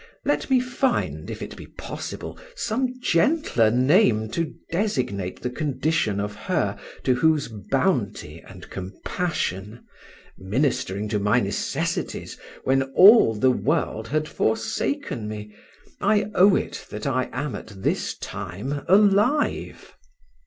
Let me find, if it be possible, some gentler name to designate the condition of her to whose bounty and compassion, ministering to my necessities when all the world had forsaken me, I owe it that I am at this time alive.